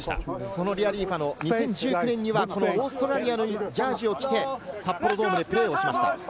そのリアリーファノ、２０１９年にはオーストラリアのジャージーを着て、札幌ドームでプレーをしました。